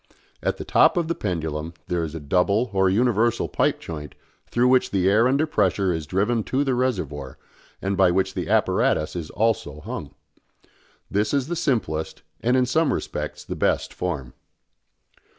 At the top of the pendulum there is a double or universal pipe joint through which the air under pressure is driven to the reservoir, and by which the apparatus is also hung. This is the simplest, and in some respects the best, form.